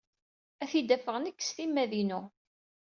Ad t-id-afeɣ nekk s timmad-inu.